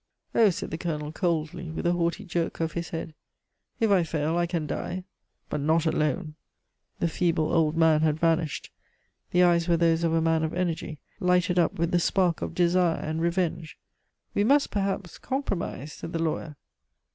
"Oh," said the Colonel, coldly, with a haughty jerk of his head, "if I fail, I can die but not alone." The feeble old man had vanished. The eyes were those of a man of energy, lighted up with the spark of desire and revenge. "We must perhaps compromise," said the lawyer.